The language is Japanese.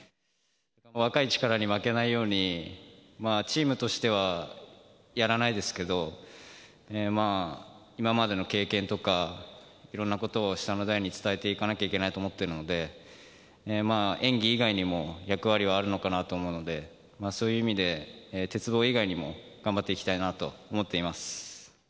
若い力に負けないように、チームとしてはやらないですけど、今までの経験とか、いろんなことを下の代に伝えていかなきゃいけないと思ってるので、演技以外にも役割はあるのかなと思うので、そういう意味で、鉄棒以外にも頑張っていきたいなと思っています。